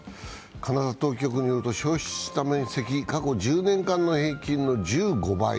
カナダ当局によると、焼失した面積過去１０年間の平均の１５倍。